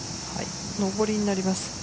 上りになります。